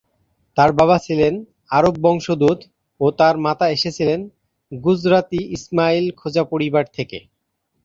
তার বাবা ছিলেন আরব বংশোদ্ভূত ও তার মাতা এসেছিলেন গুজরাতি ইসমাইল খোজা পরিবার থেকে।